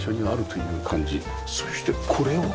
そしてこれは？